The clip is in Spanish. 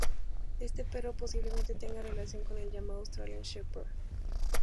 Este perro posiblemente tenga relación con el llamado "Australian Shepherd.